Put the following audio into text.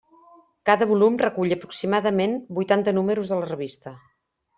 Cada volum recull aproximadament vuitanta números de la revista.